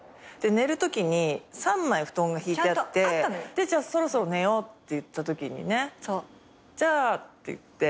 寝るときに３枚布団がひいてあってそろそろ寝ようっていったときにね「じゃあ」って言って。